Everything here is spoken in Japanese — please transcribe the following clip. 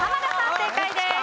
正解です。